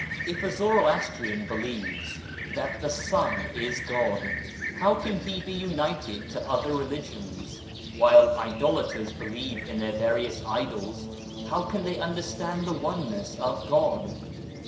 If a Zoroastrian believes that the Sun is God, how can he be united to other Religions ? While idolaters believe in their various idols, how can they understand the oneness of God?